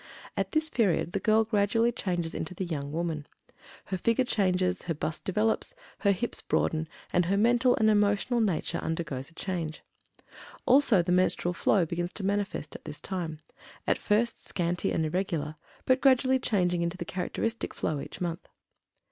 At this period the girl gradually changes into the young woman. Her figure changes, her bust develops, her hips broaden, and her mental and emotional nature undergoes a change. Also the menstrual flow begins to manifest at this time; at first scanty and irregular, but gradually changing into the characteristic flow each month.